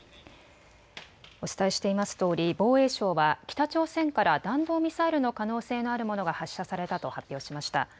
お伝えしていますとおり防衛省は北朝鮮から弾道ミサイルの可能性のあるものが発射されたと発表しました。